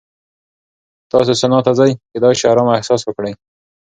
که تاسو سونا ته ځئ، کېدای شي ارامه احساس وکړئ.